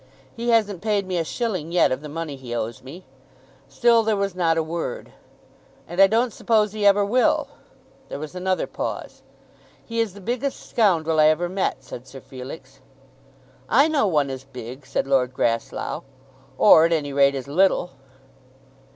"He hasn't paid me a shilling yet of the money he owes me." Still there was not a word. "And I don't suppose he ever will." There was another pause. "He is the biggest scoundrel I ever met," said Sir Felix. "I know one as big," said Lord Grasslough, "or, at any rate, as little."